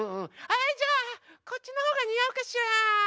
じゃあこっちのほうがにあうかしら？